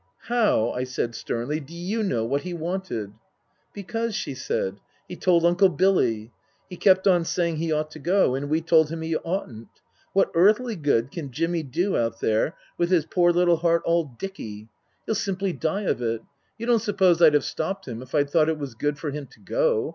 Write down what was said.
" How," I said sternly, " do you know what he wanted ?"" Because," she said, " he told Uncle Billy. He kept on saying he ought to go. And we told him he oughtn't. What earthly good can Jimmy do out there, with his poor Book III: His Book 275 little heart all dicky ? He'll simply die of it. You don't suppose I'd have stopped him if I'd thought it was good for him to go